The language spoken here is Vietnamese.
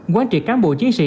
quán triệt cán bộ chiến sĩ